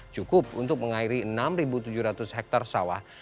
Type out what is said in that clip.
cukup untuk mengairi enam tujuh ratus hektare sawah